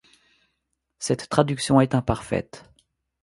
Cette traduction est imparfaite.